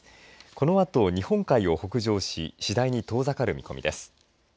このあと、日本海を北上し次第に遠ざかる見込みです。